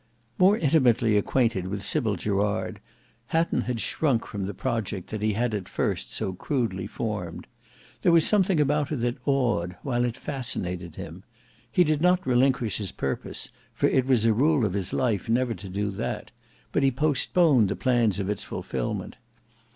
More intimately acquainted with Sybil Gerard, Hatton had shrunk from the project that he had at first so crudely formed. There was something about her that awed, while it fascinated him. He did not relinquish his purpose, for it was a rule of his life never to do that; but he postponed the plans of its fulfilment.